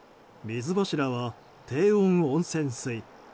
水柱は低温温泉水。